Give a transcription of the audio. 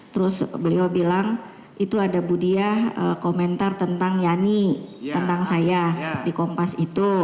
terus beliau bilang itu ada budiah komentar tentang yani tentang saya di kompas itu